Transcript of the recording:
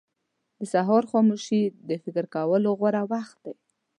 • د سهار خاموشي د فکر کولو غوره وخت دی.